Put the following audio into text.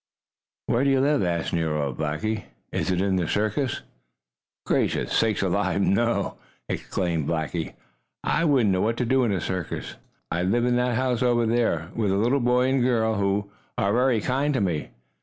"Where do you live?" asked Nero of Blackie. "Is it in a circus?" "Gracious sakes alive, no!" exclaimed Blackie. "I wouldn't know what to do in a circus. I live in that house over there with a little boy and girl who are very kind to me.